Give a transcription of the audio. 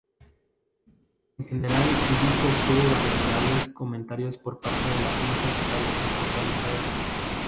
En general el disco obtuvo favorables comentarios por parte de la prensa especializada.